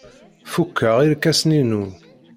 Fukeɣ irkasen-inu.